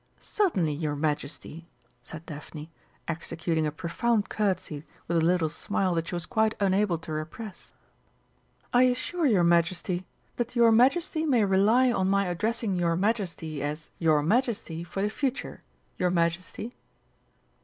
"Certainly, your Majesty," said Daphne, executing a profound curtsey with a little smile that she was quite unable to repress. "I assure your Majesty that your Majesty may rely on my addressing your Majesty as 'Your Majesty' for the future, your Majesty."